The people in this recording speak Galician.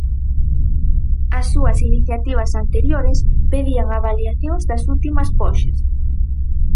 As súas iniciativas anteriores pedían avaliacións das últimas poxas.